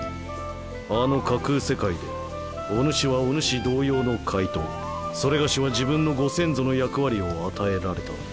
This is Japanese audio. あの架空世界でお主はお主同様の怪盗それがしは自分のご先祖の役割を与えられた。